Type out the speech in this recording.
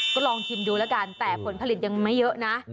ก็ลองชิมดูแล้วกันแต่ผลผลิตยังไม่เยอะนะ